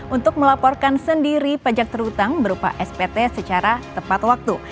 untuk melaporkan sendiri pajak terhutang berupa spt secara tepat waktu